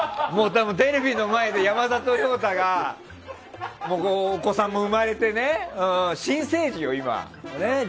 多分、テレビの前で山里亮太がお子さんも生まれて新生児よ、今。